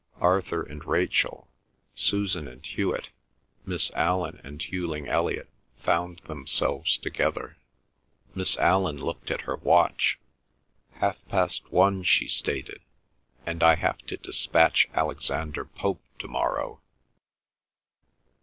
Arthur and Rachel, Susan and Hewet, Miss Allan and Hughling Elliot found themselves together. Miss Allan looked at her watch. "Half past one," she stated. "And I have to despatch Alexander Pope to morrow."